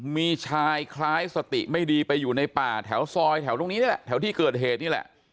มีชายคล้ายสติไม่ดีไปอยู่ในป่าแถวซอยแถวตรงนี้นี่แหละแถวที่เกิดเหตุนี่แหละ